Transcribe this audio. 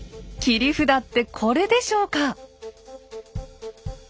切り札ってこれでしょうか。